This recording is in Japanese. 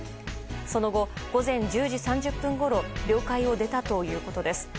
その後、午前１０時３０分ごろ領海を出たということです。